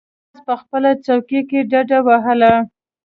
هولمز په خپله څوکۍ کې ډډه ووهله.